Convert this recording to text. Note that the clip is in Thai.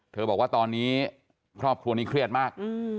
บอกว่าตอนนี้ครอบครัวนี้เครียดมาก